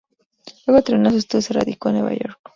Luego de terminar sus estudios se radicó en Nueva York.